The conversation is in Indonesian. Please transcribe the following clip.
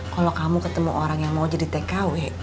kalau kamu ketemu orang yang mau jadi tkw